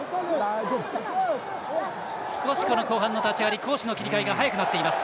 少し後半の立ち上がり攻守の切り替えが早くなっています。